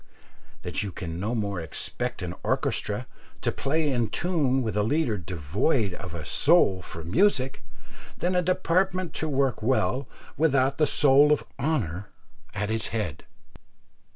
that you can no more expect an orchestra to play in tune with a leader devoid of a soul for music, than a department to work well without the soul of honour at its head?